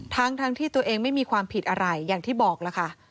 ทั้งที่ตัวเองไม่มีความผิดอะไรอย่างที่บอกล่ะค่ะ